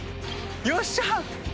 よっしゃ。